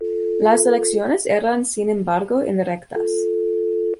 Las elecciones eran, sin embargo, indirectas.